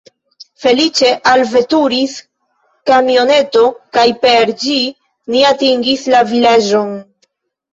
Feliĉe alveturis kamioneto kaj per ĝi ni atingis la vilaĝon.